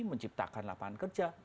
menciptakan lapangan kerja